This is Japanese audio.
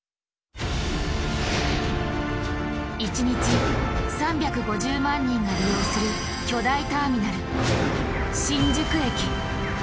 １日３５０万人が利用する巨大ターミナル